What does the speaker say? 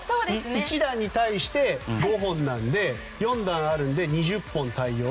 １段に対して５本なので４段あるので、２０本対応。